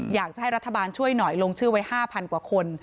อยากจะให้รัฐบาลช่วยหน่อยลงชื่อไว้๕๐๐กว่าคน